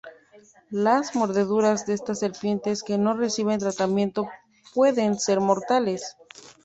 Las mordeduras de estas serpientes que no reciben tratamiento pueden ser mortales.